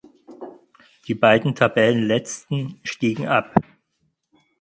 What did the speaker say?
Die beiden Tabellenletzten stiegen ab.